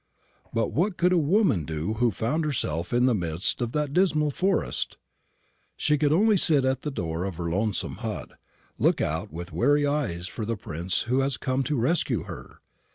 But what could a woman do who found herself in the midst of that dismal forest? She could only sit at the door of her lonesome hut, looking out with weary eyes for the prince who was to come and rescue her.